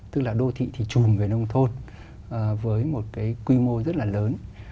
tức là đô thị thì chùm về nông thôn với một cái quy mô rất là lớn